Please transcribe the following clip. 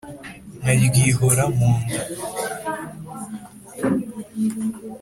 nkaryiroha mu nda